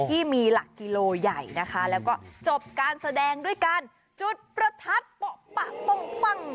ที่มีหลักกิโลใหญ่นะคะแล้วก็จบการแสดงด้วยการจุดประทัดโปะปั้ง